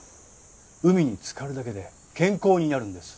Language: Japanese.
海につかるだけで健康になるんです。